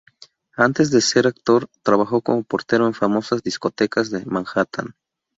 Antes de ser actor, trabajó como portero en famosas discotecas de Manhattan.